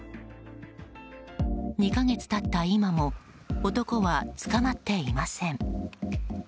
２か月経った今も男は捕まっていません。